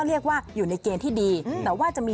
เรื่องของโชคลาบนะคะ